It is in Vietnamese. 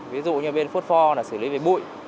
ví dụ như bên phốt pho là xử lý về bụi